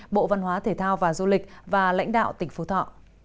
bộ văn hóa thể thao và du lịch và lãnh đạo tỉnh phú thọ